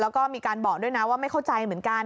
แล้วก็มีการบอกด้วยนะว่าไม่เข้าใจเหมือนกัน